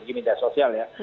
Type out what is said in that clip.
bagi media sosial ya